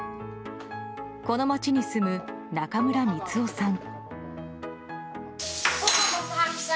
この街に住む中村光雄さん。